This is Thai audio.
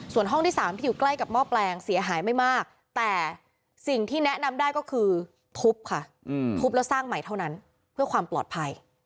ส่วนห้องที่๓ที่อยู่ใกล้กับหม้อแปลงเสียหายไม่มากแต่สิ่งที่แนะนำได้ก็คือทุบค่ะทุบแล้วสร้างใหม่เท่านั้นเพื่อความปลอดภัย